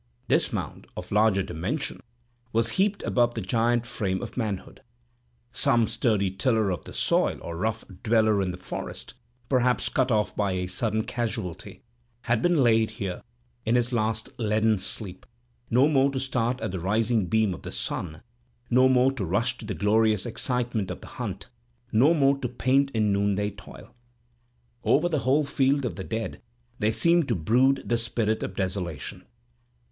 This mound, of larger dimension, was heaped above the giant frame of manhood. Some sturdy tiller of the soil, or rough dweller in the forest, perhaps cut off by a sudden casualty, had been laid here in his last leaden sleep—no more to start at the rising beam of the sun, no more to rush to the glorious excitement of the hunt, no more to pant in noonday toil. Over the whole field of the dead there seemed to brood the spirit of desolation.